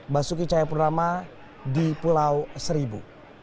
basuki cahayapurnama di pulau seribu